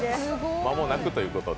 まもなくということで。